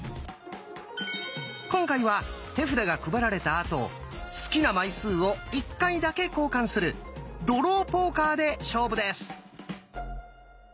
今回は手札が配られたあと好きな枚数を１回だけ交換する「ドローポーカー」で勝負です。